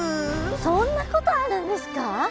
そんなことあるんですか？